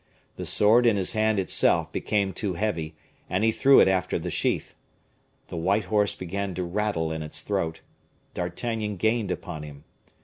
The sword in his hand itself became too heavy, and he threw it after the sheath. The white horse began to rattle in its throat; D'Artagnan gained upon him.